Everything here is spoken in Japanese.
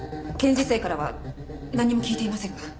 検事正からはなんにも聞いていませんが。